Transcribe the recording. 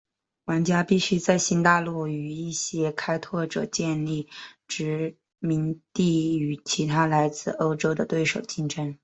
玩家必须在新大陆与一些开拓者建立殖民地与其他来自欧洲的对手竞争。